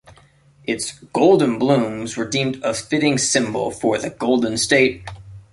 Its "golden" blooms were deemed a fitting symbol for the "Golden" State.